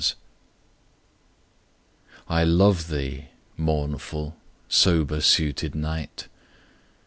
I LOVE thee, mournful, sober suited Night!